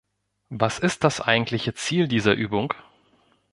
Was ist das eigentliche Ziel dieser Übung?